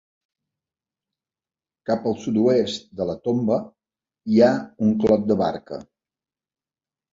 Cap al sud-oest de la tomba hi ha un clot de barca.